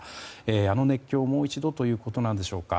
あの熱狂をもう一度ということなんでしょうか。